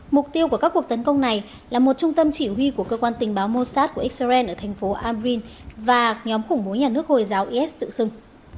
mục tiêu của các cuộc tấn công này là một trung tâm chỉ huy của cơ quan tình báo mossad của israel ở thành phố abrin và nhóm khủng bố nhà nước hồi giáo is tự xưng